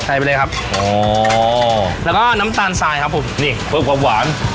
ไปเลยครับอ๋อแล้วก็น้ำตาลทรายครับผมนี่เพิ่มความหวาน